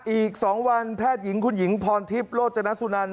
อีก๒วันแพทย์หญิงคุณหญิงพรทิพย์โรจนสุนัน